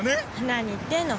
何言ってんの。